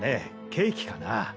ケーキかな。